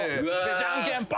「じゃんけんぽん！」